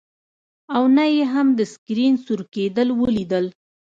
او نه یې هم د سکرین سور کیدل ولیدل